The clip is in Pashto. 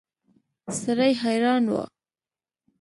سړی حیران و.